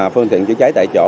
phương tiện chữa cháy tại chỗ